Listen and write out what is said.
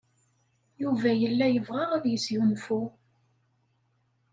Yuba yella yebɣa ad yesgunfu.